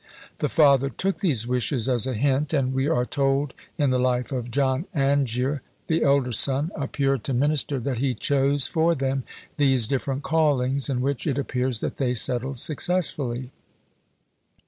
The father took these wishes as a hint, and we are told in the life of John Angier, the elder son, a puritan minister, that he chose for them these different callings, in which it appears that they settled successfully.